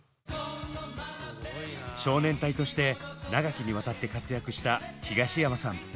少年隊として長きにわたって活躍した東山さん。